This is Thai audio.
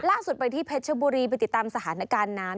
ล่าสุดไปที่เพชรชบุรีไปติดตามสถานการณ์น้ำ